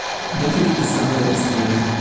Dafür gibt es andere Instrumente.